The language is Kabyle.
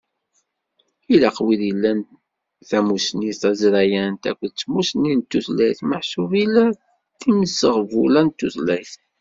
Ilaq wid ilan tamussni taẓrayant akked tmussni n tutlayt meḥsub ila timseɣbula n tutlayt.